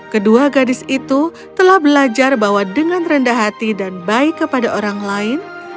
kedua gadis itu telah belajar bahwa dengan rendah hati dan baik kepada orang lain